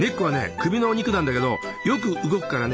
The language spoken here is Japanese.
首の肉なんだけどよく動くからね